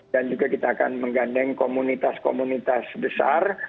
dan juga kita akan menggandeng komunitas komunitas besar